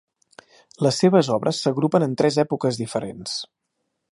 Les seves obres s'agrupen en tres èpoques diferents.